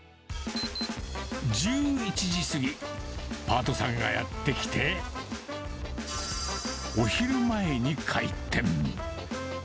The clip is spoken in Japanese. １１時過ぎ、パートさんがやって来て、お昼前に開店。